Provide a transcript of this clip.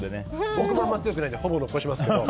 僕もあんま強くないんでほぼ残しますけど。